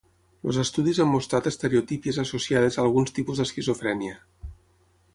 Els estudis han mostrat estereotípies associades a alguns tipus d'esquizofrènia.